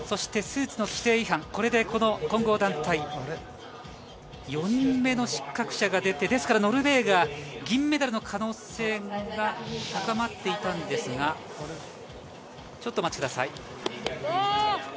スーツの規定違反、混合団体、４人目の失格者が出て、ノルウェーが銀メダルの可能性が高まっていたんですが、ちょっとお待ちください。